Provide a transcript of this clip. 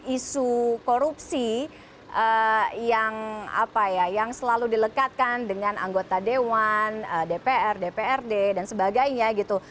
isu korupsi yang selalu dilekatkan dengan anggota dewan dpr dprd dan sebagainya gitu